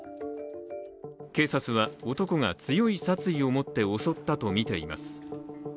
警察は男が強い殺意を持って襲ったとみています。